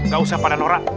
gak usah pada norak